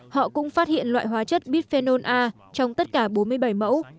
họ cũng phát hiện loại hóa chất bitenol a trong tất cả bốn mươi bảy mẫu